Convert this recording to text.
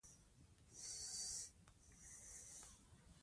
دواړه د ادب مهمې برخې دي.